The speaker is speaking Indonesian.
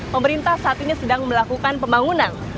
pemerintah saat ini sedang melakukan pembangunan